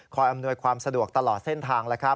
อำนวยความสะดวกตลอดเส้นทาง